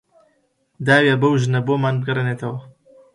داویە بەو ژنە بۆمان بگەڕێنێتەوە